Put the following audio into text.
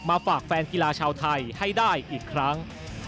ฝากแฟนกีฬาชาวไทยให้ได้อีกครั้ง